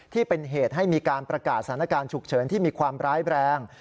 ที่เป็นเหตุให้มีการประกาศสถานการณ์ฉุกเฉินที่มีความร้ายแรง